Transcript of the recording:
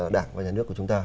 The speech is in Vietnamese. đảng và nhà nước của chúng ta